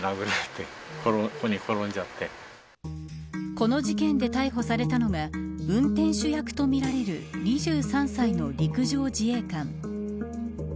この事件で逮捕されたのが運転手役とみられる２３歳の陸上自衛官。